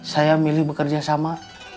saya milih bekerja sama